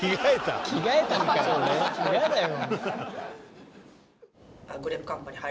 着替えたのかよ。